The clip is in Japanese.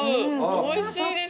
おいしいです！